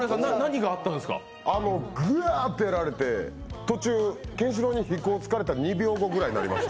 ぐわーってやられて途中、ケンシロウに秘孔を突かれた２秒前ぐらいになりました。